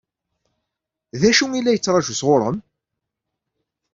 D acu i la yettṛaǧu sɣur-m?